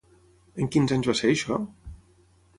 En quins anys va ser això?